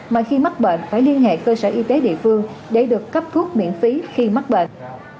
mà khi mắc bệnh phải liên hệ cơ sở y tế địa phương để được cấp thuốc miễn phí khi mắc bệnh